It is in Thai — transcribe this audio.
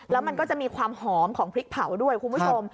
แล้วมันก็จะมีความหอมของพริกเผาด้วยคุณผู้ชม